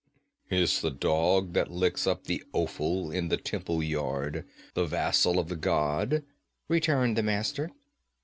'Is the dog that licks up the offal in the temple yard the vassal of the god?' returned the Master.